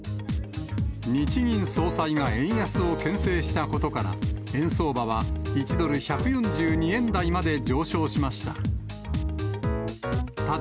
日銀総裁が円安をけん制したことから、円相場は１ドル１４２円台まで上昇しました。